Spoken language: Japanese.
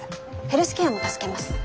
ヘルスケアも助けます。